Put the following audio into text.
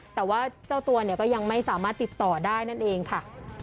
แต่ว่าเจ้าตัวเนี่ยก็ยังไม่สามารถติดต่อได้นั่นเองค่ะ